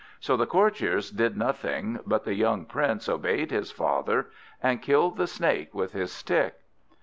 So the courtiers did nothing, but the young Prince obeyed his father, and killed the Snake with his stick.